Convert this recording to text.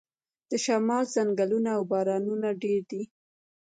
د شمال ځنګلونه او بارانونه ډیر دي.